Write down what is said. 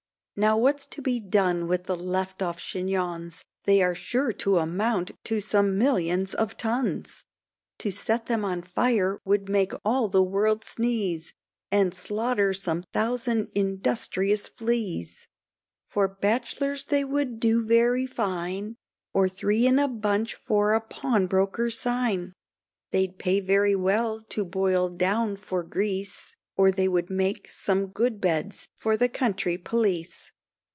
Now what's to be done with the left off chignons, They are sure to amount to some millions of tons! To set them on fire would make all the world sneeze, And slaughter some thousand industrious fleas; For bachelors they would do very fine, Or three in a bunch for a pawnbroker's sign; They'd pay very well to boil down for grease, Or they would make some good beds for the country police.